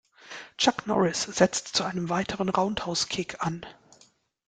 Chuck Norris setzt zu einem weiteren Roundhouse-Kick an.